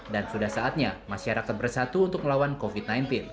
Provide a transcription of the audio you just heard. dan sudah saatnya masyarakat bersatu untuk melawan covid sembilan belas